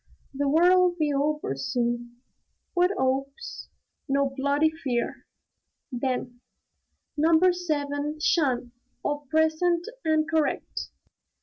"The War 'll be over soon." "What 'opes?" "No bloody fear!" Then, "Number Seven, 'shun! All present and correct."